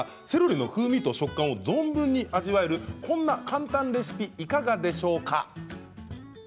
セロリの風味と食感を存分に味わえる、こんな簡単レシピいかがでしょうか。